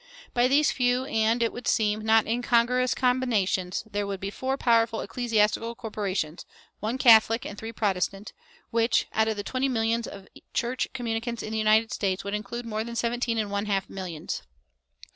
By these few and, it would seem, not incongruous combinations there would be four powerful ecclesiastical corporations, one Catholic and three Protestant, which, out of the twenty millions of church communicants in the United States, would include more than seventeen and one half millions.